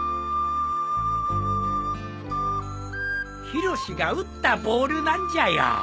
ヒロシが打ったボールなんじゃよ。